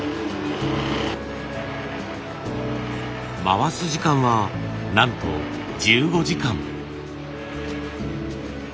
回す時間はなんと１５時間。